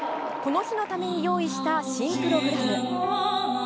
この日のために用意した新プログラム。